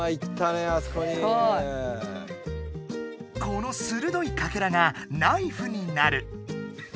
このするどいかけらがナイフになる。